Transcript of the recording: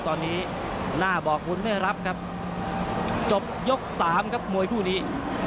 ตอนนี้หน้าบอกบุญไม่รับครับจบยกสามครับมวยคู่นี้